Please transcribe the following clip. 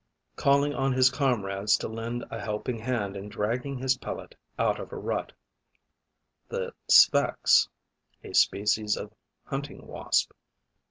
calling on his comrades to lend a helping hand in dragging his pellet out of a rut; the Sphex (A species of Hunting Wasp.